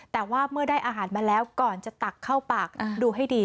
แต่ว่าเมื่อได้อาหารมาแล้วก่อนจะตักเข้าปากดูให้ดี